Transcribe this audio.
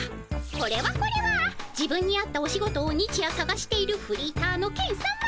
これはこれは自分に合ったお仕事を日夜さがしているフリーターのケンさま。